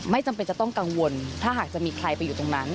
จำเป็นจะต้องกังวลถ้าหากจะมีใครไปอยู่ตรงนั้น